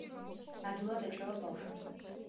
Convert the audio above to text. ადვილად ეჩვევა ბავშვებს.